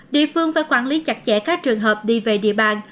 địa phương phải quản lý chặt chẽ các trường hợp đi về địa bàn